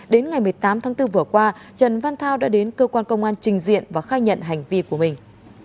đến ngày một mươi tám tháng bốn vừa qua trần văn thao đã đến cơ quan công an trình diện và khai nhận hành vi của mình